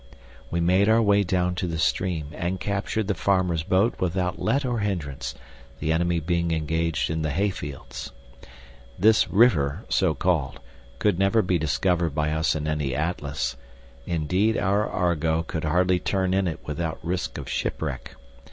We made our way down to the stream, and captured the farmer's boat without let or hindrance, the enemy being engaged in the hayfields. This "river," so called, could never be discovered by us in any atlas; indeed our Argo could hardly turn in it without risk of shipwreck.